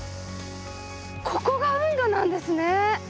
ここが運河なんですね。